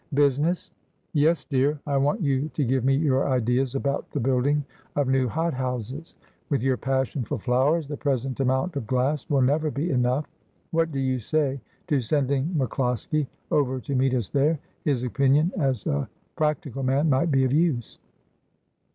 ' Business !'' Yes, dear ; I want you to give me your ideas about the building of new hot houses. With your passion for flowers the present amount of glass will never be enough. What do you say to sending MacCloskie over to meet us there ? His opinion as a practical man might be of use.'